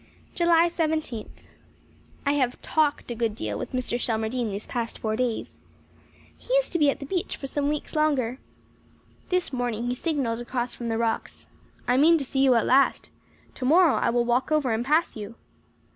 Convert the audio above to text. July Seventeenth. I have "talked" a good deal with Mr. Shelmardine these past four days. He is to be at the beach for some weeks longer. This morning he signalled across from the rocks: "I mean to see you at last. Tomorrow I will walk over and pass you."